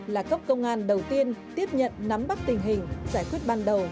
là cấp công an đầu tiên tiếp nhận nắm bắt tình hình giải quyết ban đầu